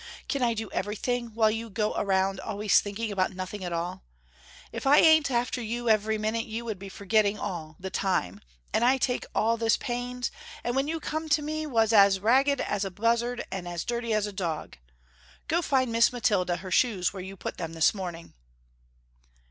Can I do everything while you go around always thinking about nothing at all? If I ain't after you every minute you would be forgetting all, the time, and I take all this pains, and when you come to me you was as ragged as a buzzard and as dirty as a dog. Go and find Miss Mathilda her shoes where you put them this morning."